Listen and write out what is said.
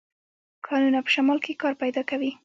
کانونه په شمال کې کار پیدا کوي.